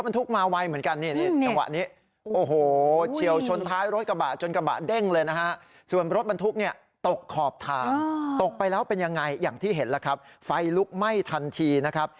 ทุกมาไวเหมือนกันนี่จังหวะนี้โอ้โหเฉียวชนท้ายรถกระบะจนกระบะเด้งเลยนะฮะส่วนรถบรรทุกเนี่ยตกขอบทางตกไปแล้วเป็นยังไงอย่างที่เห็นแล้วครับไฟลุกไหม้ทันทีนะครับ